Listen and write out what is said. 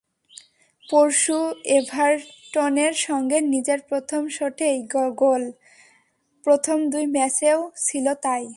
পরশু এভারটনের সঙ্গে নিজের প্রথম শটেই গোল, প্রথম দুই ম্যাচেও ছিল তাই।